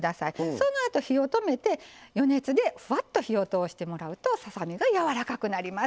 そのあと火を止めて余熱でふわっと火を通してもらうとささ身がやわらかくなります。